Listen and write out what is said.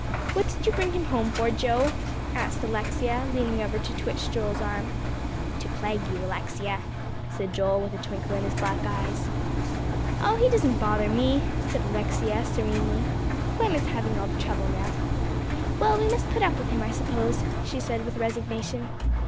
"What did you bring him home for, Joe?" asked Alexia, leaning over to twitch Joel's arm. "To plague you, Alexia," said Joel, with a twinkle in his black eyes. "Oh, he doesn't bother me," said Alexia serenely. "Clem is having all the trouble now. Well, we must put up with him, I suppose," she said with resignation.